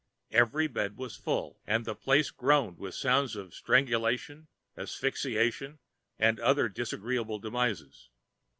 Every bed was full, and the place groaned with sounds of strangulation, asphyxiation, and other disagreeable demises.